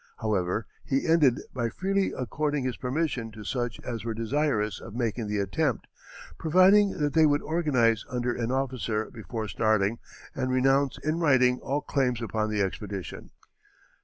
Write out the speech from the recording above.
However, he ended by freely according his permission to such as were desirous of making the attempt, provided that they would organize under an officer before starting and renounce in writing all claims upon the expedition.